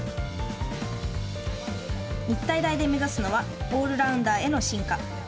日体大で目指すのはオールラウンダーへの進化。